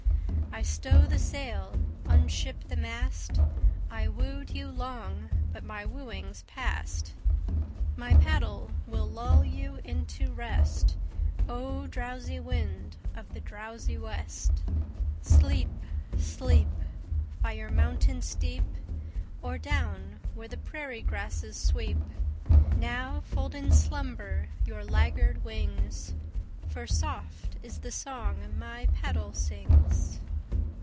I stow the sail, unship the mast: I wooed you long but my wooing's past; My paddle will lull you into rest. O! drowsy wind of the drowsy west, Sleep, sleep, By your mountain steep, Or down where the prairie grasses sweep! Now fold in slumber your laggard wings, For soft is the song my paddle sings.